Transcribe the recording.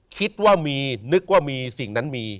คิดว่ามีนึกว่ามีสิ่งนั้นมี